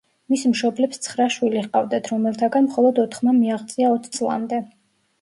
მის მშობლებს ცხრა შვილი ჰყავდათ, რომელთაგან მხოლოდ ოთხმა მიაღწია ოც წლამდე.